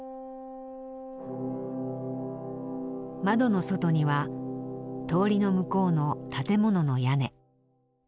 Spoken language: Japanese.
窓の外には通りの向こうの建物の屋根。